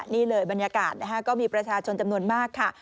นี่เลยบรรยากาศก็มีประชาชนจำนวนมากค่ะ